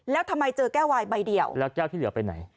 แล้วทำไมเจอแก้ววายใบเดียวแล้วแก้วที่เหลือไปไหน